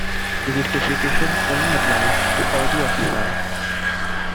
This specification only applies to audio amplifiers.